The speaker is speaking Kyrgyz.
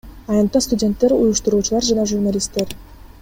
Аянтта студенттер, уюштуруучулар жана журналисттер.